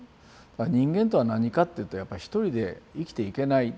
人間とは何かっていうとやっぱり一人で生きていけないっていうこと。